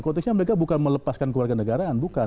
konteksnya mereka bukan melepaskan keluarga negaraan bukan